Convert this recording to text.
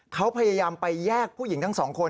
เขาพยายามไปแยกผู้หญิงทั้งสองคน